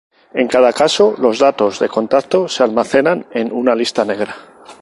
En cada caso los datos de contacto se almacenan en una lista negra.